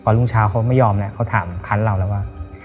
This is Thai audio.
รุ่งเช้าเขาไม่ยอมแล้วเขาถามคันเราแล้วว่า